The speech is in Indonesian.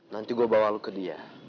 nanti gue bawa lu ke dia